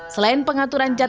selain pengaturan jatuh